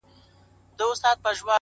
هغو زموږ په مټو یووړ تر منزله،